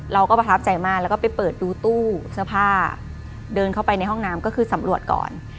เราก็ประทับใจมากแล้วก็ไปเปิดดูตู้เสื้อผ้าเดินเข้าไปในห้องน้ำก็คือสำรวจก่อน